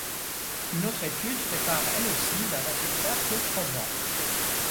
Une autre étude fait part elle aussi d'un résultat peu probant.